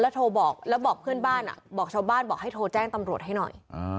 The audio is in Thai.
โทรบอกแล้วบอกเพื่อนบ้านบอกชาวบ้านบอกให้โทรแจ้งตำรวจให้หน่อย